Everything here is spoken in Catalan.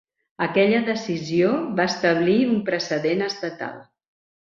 Aquella decisió va establir un precedent estatal.